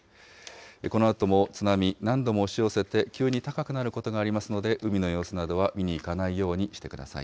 このあとも津波、何度も押し寄せて、急に高くなることがありますので、海の様子などは見に行かないようにしてください。